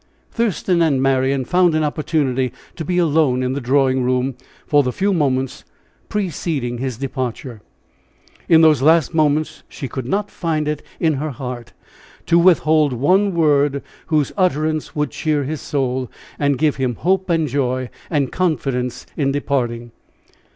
Thurston and Marian found an opportunity to be alone in the drawing room for the few moments preceding his departure. In those last moments she could not find it in her heart to withhold one word whose utterance would cheer his soul, and give him hope and joy and confidence in departing.